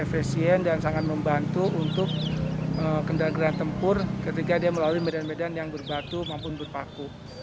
efisien dan sangat membantu untuk kendaraan tempur ketika dia melalui medan medan yang berbatu maupun berpaku